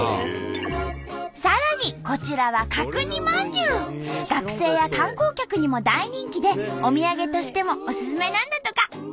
さらにこちらは学生や観光客にも大人気でお土産としてもおすすめなんだとか。